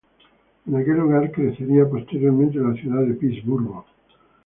En aquel lugar crecería posteriormente la ciudad de Pittsburgh.